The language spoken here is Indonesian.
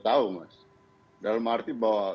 tahu mas dalam arti bahwa